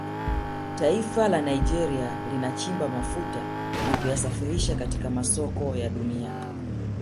Taifa la Nigeria linachimba mafuta na kuyasafirisha katika masoko ya Dunia